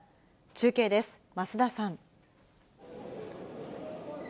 中継です、増田さん。